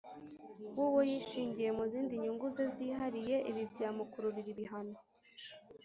w'uwo yishingiye mu zindi nyungu ze zihariye. ibi byamukururira ibihano